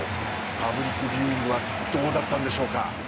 パブリックビューイングはどうだったんでしょうか。